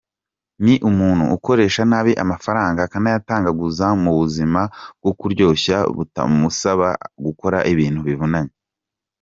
Ni umuntu ukoresha nabi amafaranga, akanayatagaguza mu buzima bwo kuryoshya butamusaba gukora ibintu bivunanye.